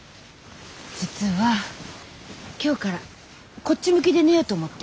実は今日からこっち向きで寝ようと思って。